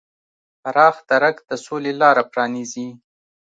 پراخ درک د سولې لاره پرانیزي.